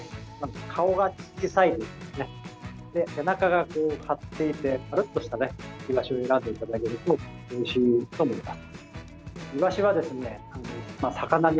顔が小さいもので背中が張っていてまるっとしたイワシを選んでいただけるとおいしいと思います。